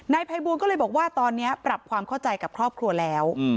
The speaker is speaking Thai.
ภัยบูลก็เลยบอกว่าตอนนี้ปรับความเข้าใจกับครอบครัวแล้ว